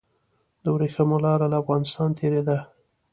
د وریښمو لاره له افغانستان تیریده